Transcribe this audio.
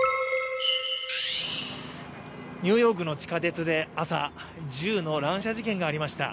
ニューヨークの地下鉄で朝、中の乱射事件がありました。